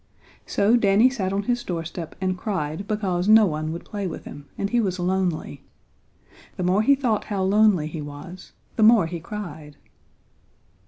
So Danny sat on his doorstep and cried because no one would play with him and he was lonely. The more he thought how lonely he was, the more he cried.